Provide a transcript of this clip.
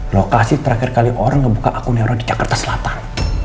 lokasi terakhir kali orang ngebuka akunerror di jakarta selatan